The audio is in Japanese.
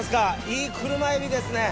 いい車エビですね